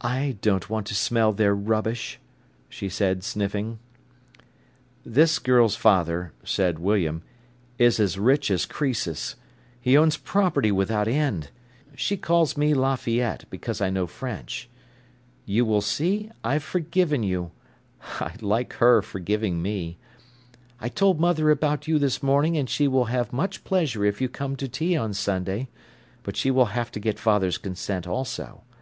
"I don't want to smell their rubbish," she said, sniffing. "This girl's father," said William, "is as rich as Crœsus. He owns property without end. She calls me Lafayette, because I know French. 'You will see, I've forgiven you'—I like her forgiving me. 'I told mother about you this morning, and she will have much pleasure if you come to tea on Sunday, but she will have to get father's consent also.